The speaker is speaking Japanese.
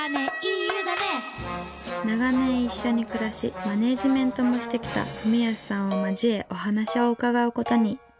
長年一緒に暮らしマネージメントもしてきた文泰さんを交えお話を伺う事に。